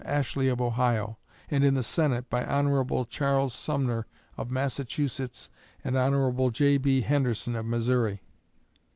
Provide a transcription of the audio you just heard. Ashley of Ohio, and in the Senate by Hon. Charles Sumner of Massachusetts and Hon. J.B. Henderson of Missouri.